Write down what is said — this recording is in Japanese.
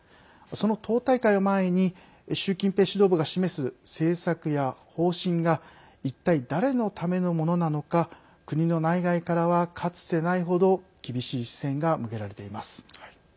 その党大会を前に習近平指導部が示す政策や方針が一体、誰のためのものなのか国の内外からはかつてないほど厳しい視線が向けられています。